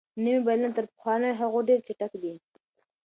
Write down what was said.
نوي موبایلونه تر پخوانیو هغو ډېر چټک دي.